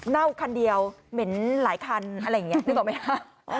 เ่าคันเดียวเหม็นหลายคันอะไรอย่างนี้นึกออกไหมคะ